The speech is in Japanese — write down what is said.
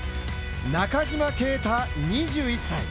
中島啓太、２１歳。